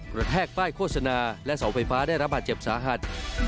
แทกป้ายโฆษณาและเสาไฟฟ้าได้รับบาดเจ็บสาหัส